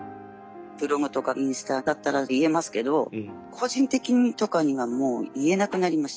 ブログとかインスタだったら言えますけど個人的にとかにはもう言えなくなりました。